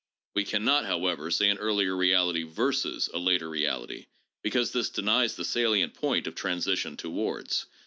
We can not, how ever, say an earlier reality versus a later reality, because this denies the salient point of transition towards.